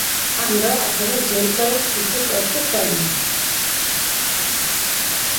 আমরা আসলে জোর করে কিছু করতে চাইনি।